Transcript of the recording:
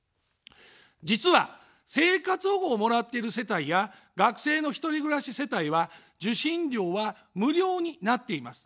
実は、生活保護をもらっている世帯や学生の１人暮らし世帯は受信料は無料になっています。